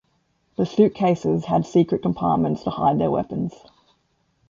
The suitcases had secret compartments to hide their weapons.